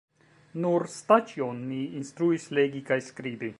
Nur Staĉjon mi instruis legi kaj skribi.